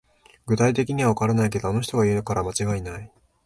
具体的にはわからないけど、あの人が言うから間違いない